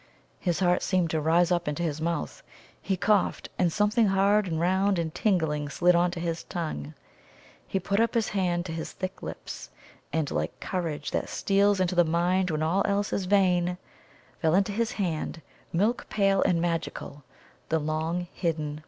His heart seemed to rise up into his mouth. He coughed, and something hard and round and tingling slid on to his tongue. He put up his hand to his thick lips, and, like courage that steals into the mind when all else is vain, fell into his hand, milk pale and magical, the long hidden Wonder stone.